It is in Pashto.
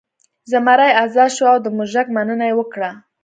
زمری ازاد شو او د موږک مننه یې وکړه.